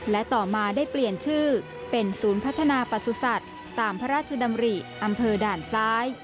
และต่อมาได้เปลี่ยนชื่อเป็นศูนย์พัฒนาประสุทธิ์ตามพระราชดำริอำเภอด่านซ้าย